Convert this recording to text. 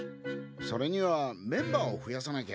それにはメンバーを増やさなきゃ。